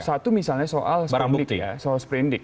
satu misalnya soal sprindik